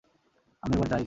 আমি এবার যাই।